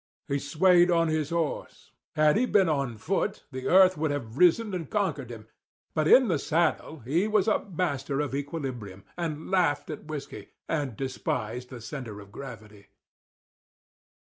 He swayed on his horse; had he been on foot, the earth would have risen and conquered him; but in the saddle he was a master of equilibrium, and laughed at whisky, and despised the centre of gravity.